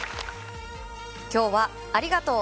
きょうはありがとう！